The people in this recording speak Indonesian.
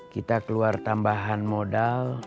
kita keluar tambahan modal